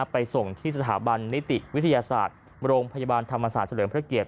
ไปส่งที่สถาบันนิติวิทยาศาสตร์โรงพยาบาลธรรมศาสตร์เฉลิมพระเกียรติ